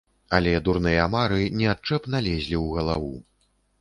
Але дурныя мары неадчэпна лезлі ў галаву.